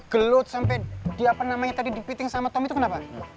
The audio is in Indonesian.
gelut sampe dia apa namanya tadi dipiting sama tommy itu kenapa